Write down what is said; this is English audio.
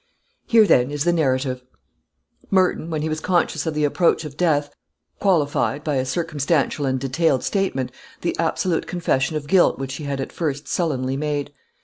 Here, then, is the narrative: Merton, when he was conscious of the approach of death, qualified, by a circumstantial and detailed statement, the absolute confession of guilt which he had at first sullenly made.